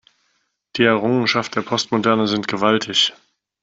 Die Errungenschaften der Postmoderne sind gewaltig.